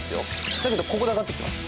だけどここで上がってきています。